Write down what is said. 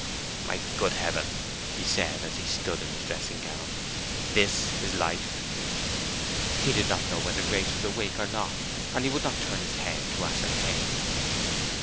"My good Heaven!" he said, as he stood in his dressing gown. "This is life!" He did not know whether Grace was awake or not, and he would not turn his head to ascertain.